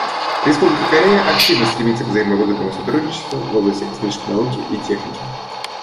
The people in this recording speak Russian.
Республика Корея активно стремится к взаимовыгодному сотрудничеству в области космической науки и техники.